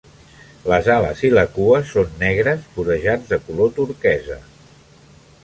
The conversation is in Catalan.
Les ales i la cua són negres, vorejats de color turquesa.